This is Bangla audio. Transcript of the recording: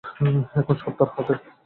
এখন সব তাঁর হাতে।